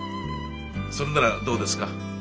それならどうですか？